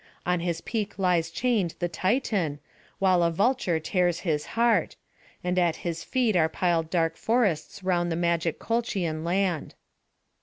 On his peak lies chained the Titan, while a vulture tears his heart; and at his feet are piled dark forests round the magic Colchian land.